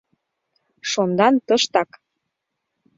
Шондан тыштак.